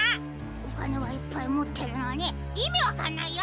おかねはいっぱいもってるのにいみわかんないよ！